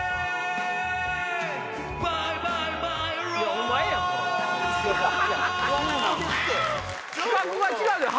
お前やん！